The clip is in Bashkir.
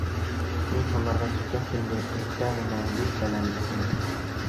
Мин һунарға киткән көндө иртә менән ел-фәлән юҡ ине.